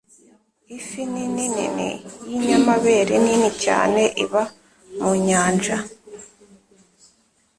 Ifi nini nini y'inyamabere nini cyane iba mu nyanja.